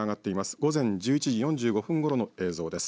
午前１１時４５分ごろの映像です。